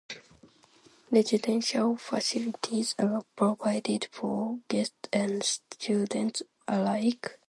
Residential facilities are provided for guests and students alike.